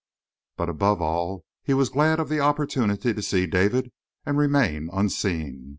But, above all, he was glad of the opportunity to see David and remain unseen.